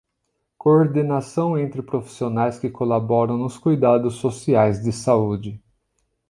Coordenação entre profissionais que colaboram nos cuidados sociais de saúde.